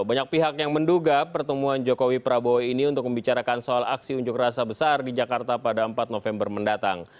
banyak pihak yang menduga pertemuan jokowi prabowo ini untuk membicarakan soal aksi unjuk rasa besar di jakarta pada empat november mendatang